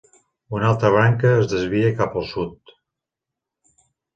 Una altra branca es desvia cap al sud.